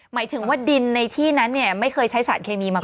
หมายถึงว่าดินในที่นั้นไม่เคยใช้สารเคมีมาก่อน